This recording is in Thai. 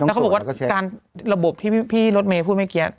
แล้วเขาบอกว่าการระบบที่พี่รถเมย์พูดเมื่อกี้